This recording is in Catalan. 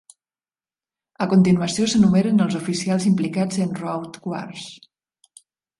A continuació s'enumeren els oficials implicats en Road Wars.